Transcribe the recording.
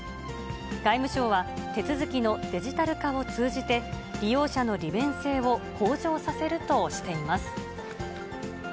外務省は、手続きのデジタル化を通じて、利用者の利便性を向上させるとしています。